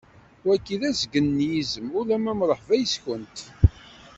Wagi d asgen n yizem, ulama mṛeḥba yes-kunt.